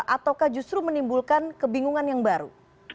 ataukah justru menimbulkan kebingungan yang baru